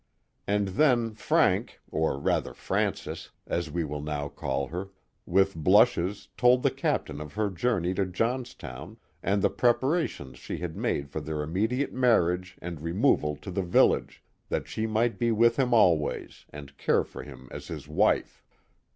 And then Frank, or rather Frances, as we will now call her, with blushes told the captain of her journey to Johnstown, and the preparations she had made for their immediate marriage and removal to the village, that she might be with him always and care for him as his wife.